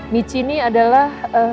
michi ini adalah